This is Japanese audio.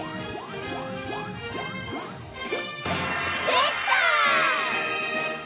できた！